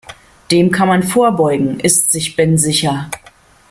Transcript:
Dem kann man vorbeugen, ist sich Ben sicher.